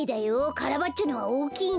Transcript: カラバッチョのはおおきいね。